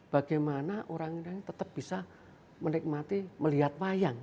bagaimana orang ini tetap bisa menikmati melihat wayang